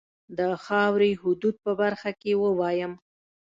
د خاوري حدودو په برخه کې ووایم.